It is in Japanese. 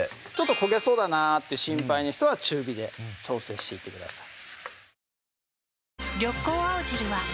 焦げそうだなって心配な人は中火で調整していってください